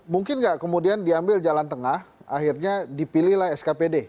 mungkin nggak kemudian diambil jalan tengah akhirnya dipilihlah skpd